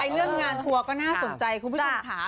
เรื่องงานทัวร์ก็น่าสนใจคุณผู้ชมค่ะ